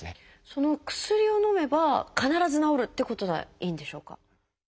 その薬をのめば必ず治るってことでいいんでしょうか？